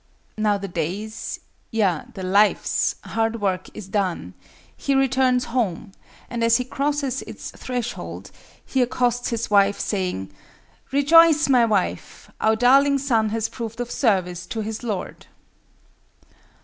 Now the day's—yea, the life's—hard work is done, he returns home and as he crosses its threshold, he accosts his wife, saying: "Rejoice, my wife, our darling son has proved of service to his lord!"